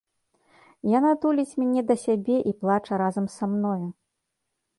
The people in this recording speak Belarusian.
Яна туліць мяне да сябе і плача разам са мною.